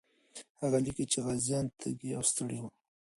هغه لیکي چې غازیان تږي او ستړي وو.